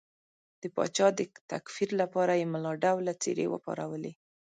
د پاچا د تکفیر لپاره یې ملا ډوله څېرې وپارولې.